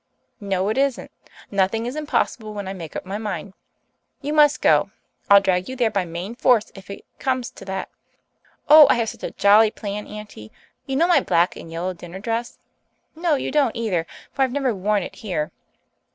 "No, it isn't. Nothing is impossible when I make up my mind. You must go. I'll drag you there by main force if it comes to that. Oh, I have such a jolly plan, Auntie. You know my black and yellow dinner dress no, you don't either, for I've never worn it here.